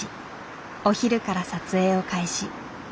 お昼から撮影を開始。